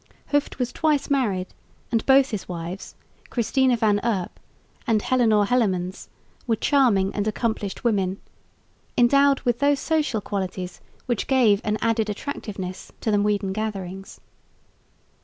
Hooft was twice married; and both his wives, Christina van Erp and Heleonore Hellemans, were charming and accomplished women, endowed with those social qualities which gave an added attractiveness to the Muiden gatherings.